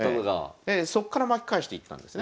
そっから巻き返していったんですね。